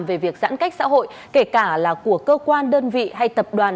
về việc giãn cách xã hội kể cả là của cơ quan đơn vị hay tập đoàn